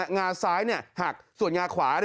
งาซ้ายหักส่วนงาขวา